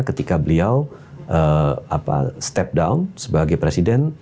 ketika beliau step down sebagai presiden